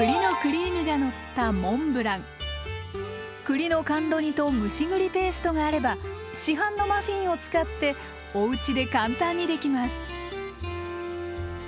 栗の甘露煮と蒸し栗ペーストがあれば市販のマフィンを使っておうちで簡単にできます。